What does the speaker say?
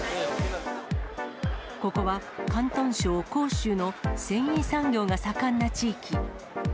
ここは広東省広州の繊維産業が盛んな地域。